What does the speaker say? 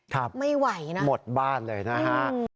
ครับไม่ไหวนะหมดบ้านเลยนะฮะ